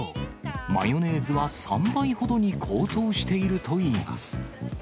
マヨネーズは３倍ほどに高騰しているといいます。